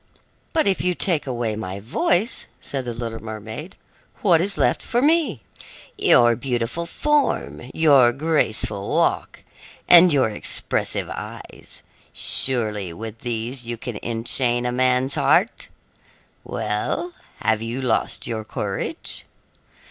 "But if you take away my voice," said the little mermaid, "what is left for me?" "Your beautiful form, your graceful walk, and your expressive eyes. Surely with these you can enchain a man's heart. Well, have you lost your courage?